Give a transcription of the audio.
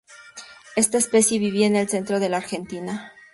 Esta especie vivía en el centro de la Argentina.